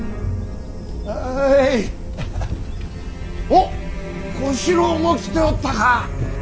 おっ小四郎も来ておったか。